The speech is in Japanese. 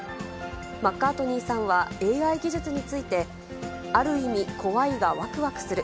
マッカートニーさんはＡＩ技術について、ある意味、怖いがわくわくする。